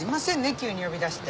急に呼び出して。